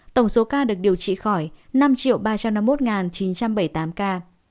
tổng số ca được điều trị khỏi năm ba trăm năm mươi một chín trăm bảy mươi tám ca